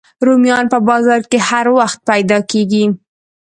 رومیان په بازار کې هر وخت پیدا کېږي